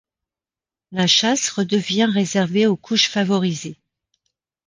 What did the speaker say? La chasse redevient réservée aux couches favorisées.